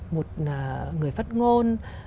một người phát ngôn